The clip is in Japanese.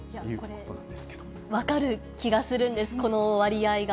これ、分かる気がするんです、この割合が。